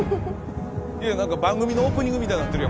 何か番組のオープニングみたいになってる。